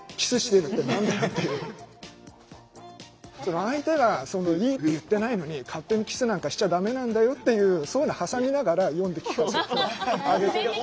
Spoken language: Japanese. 相手がいいって言ってないのに勝手にキスなんかしちゃダメなんだよっていうそういうの挟みながら読んで聞かせてあげてるって。